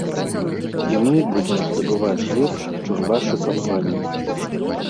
І мы будзем здабываць лепш, чым вашы кампаніі.